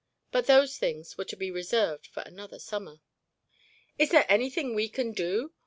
But those things were to be reserved for another summer. "Is there anything we can do?